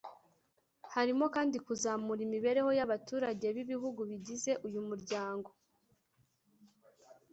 Harimo kandi kuzamura imibereho y’abaturage b’ibihugu bigize uyu muryango